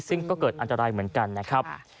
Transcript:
ซึ่งก็เกิดอันตรายเหมือนกันนะครับ